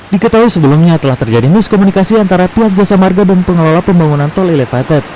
diketahui sebelumnya telah terjadi miskomunikasi antara pihak jasa marga dan pengelola pembangunan tol elevated